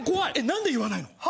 何で言わないの？